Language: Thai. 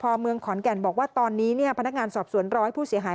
ภูมิกับสภอเมืองขอนแก่นบอกว่าตอนนี้พนักงานสอบส่วน๑๐๐ผู้เสียหาย